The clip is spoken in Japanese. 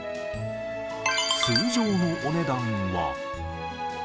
通常のお値段は。